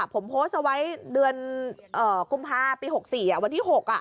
ผมโพสต์เอาไว้เดือนกุมภาปี๖๔วันที่๖